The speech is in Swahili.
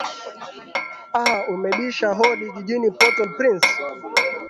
a umebisha hodi jijini portal prince